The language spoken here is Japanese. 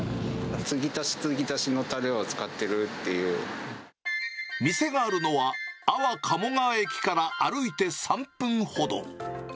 継ぎ足し継ぎ足しのたれを使店があるのは、安房鴨川駅から歩いて３分ほど。